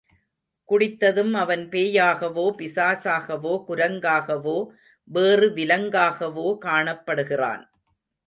குடித்ததும் அவன் பேயாகவோ, பிசாசாகவோ, குரங்காகவோ, வேறு விலங்காகவோ காணப்படுகிறான்.